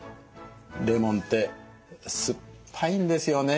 レモンって酸っぱいんですよね。